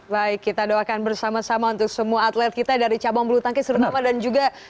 baik kita doakan bersama sama untuk semua atlet kita dari cabang belutangkis terutama dan juga medali emas